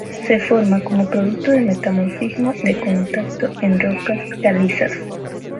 Se forma como producto del metamorfismo de contacto en rocas calizas.